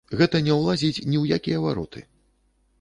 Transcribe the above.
Гэта не ўлазіць ні ў якія вароты.